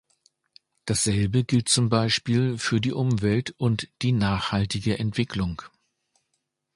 Dasselbe gilt zum Beispiel für die Umwelt und die nachhaltige Entwicklung.